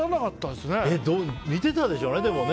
でも見てたでしょうね。